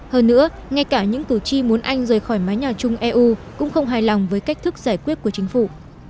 hơn nữa ngay cả những cử tri muốn anh rời khỏi mái nhà chung eu cũng không hài lòng với cách thức giải quyết của chính phủ